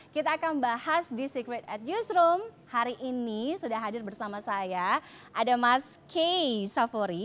kita akan bahas di secret at newsroom hari ini sudah hadir bersama saya ada mas kay safari